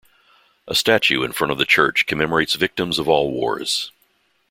A statue in front of the church commemorates victims of all wars.